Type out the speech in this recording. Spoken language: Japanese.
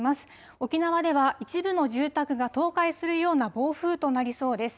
沖縄では一部の住宅が倒壊するような暴風となりそうです。